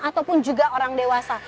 ataupun juga orang dewasa